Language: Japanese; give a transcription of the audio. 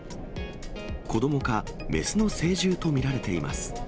子どもか、雌の成獣と見られています。